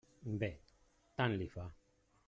Bé, tant li fa.